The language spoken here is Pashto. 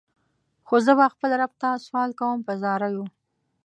خو زه به خپل رب ته سوال کوم په زاریو.